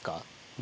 何？